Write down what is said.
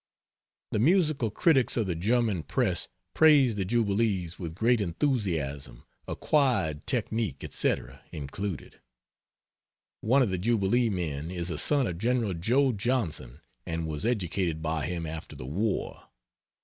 The musical critics of the German press praise the Jubilees with great enthusiasm acquired technique etc, included. One of the jubilee men is a son of General Joe Johnson, and was educated by him after the war.